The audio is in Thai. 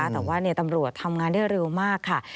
แต่ว่าตำรวจทำงานได้เร็วมากค่ะ